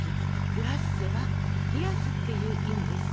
「グラッセ」は冷やすっていう意味です。